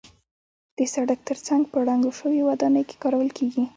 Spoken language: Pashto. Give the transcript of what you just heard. د سړک تر څنګ په ړنګو شویو ودانیو کې کارول کېږي.